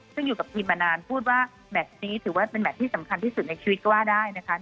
ซึ่งอยู่กับทีมมานานพูดว่าแมทนี้ถือว่าเป็นแมทที่สำคัญที่สุดในชีวิตก็ว่าได้นะคะ